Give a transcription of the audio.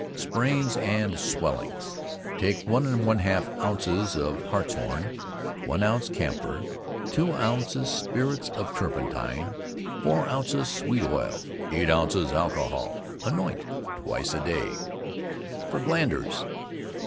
SPRAINS AND SWELLINGS. Take 1 1/2 ounces of harts horn, 1 ounce camphor, 2 ounces spirits of turpentine, 4 ounces sweet oil, 8 ounces alcohol. Anoint twice a day. FOR GLANDERS.